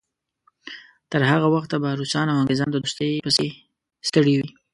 تر هغه وخته به روسان او انګریزان د دوستۍ پسې ستړي وي.